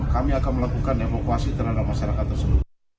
kami akan melakukan evakuasi terhadap masyarakat tersebut